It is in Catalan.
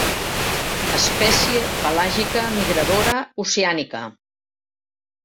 Espècie pelàgica migradora oceànica.